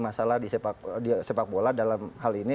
masalah di sepak bola dalam hal ini